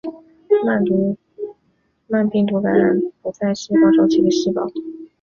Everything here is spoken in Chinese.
慢病毒感染不在细胞周期的细胞。